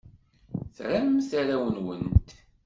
Tramt arraw-nwent?